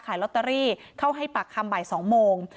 ขายลอตเตอรี่เข้าให้ปากคำบ่าย๒โมง